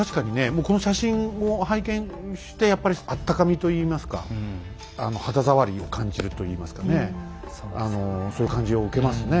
もうこの写真を拝見してやっぱりあったかみといいますか肌触りを感じるといいますかねそういう感じを受けますね。